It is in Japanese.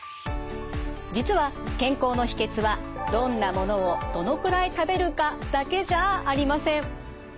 実は健康の秘けつはどんなものをどのくらい食べるかだけじゃありません。